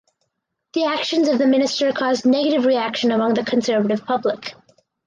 The actions of the minister caused negative reaction among the conservative public.